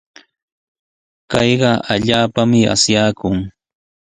Kayqa allaapami asyaakun.